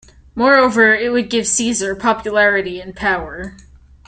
Moreover, it would give Caesar popularity and power.